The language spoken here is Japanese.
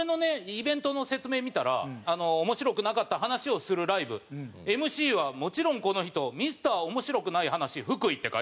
イベントの説明見たら「面白くなかった話をするライブ」「ＭＣはもちろんこの人ミスター面白くない話福井」って書いてあるんですよ。